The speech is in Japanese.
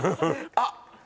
あっ